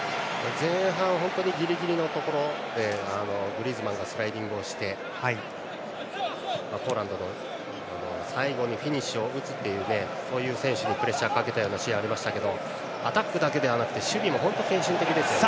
前半、本当にギリギリのところでグリーズマンがスライディングをしてポーランドの、最後にフィニッシュを打つというそういう選手にプレッシャーをかけたようなシーンありましたがアタックだけではなくて守備も本当に献身的です。